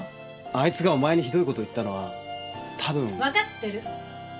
あいつがお前にひどいこと言ったのはたぶん。分かってる。